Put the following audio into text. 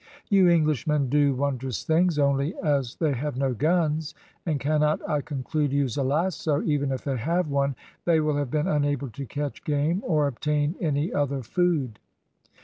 You Englishmen do wondrous things, only as they have no guns, and cannot, I conclude, use a lasso, even if they have one, they will have been unable to catch game, or obtain any other food."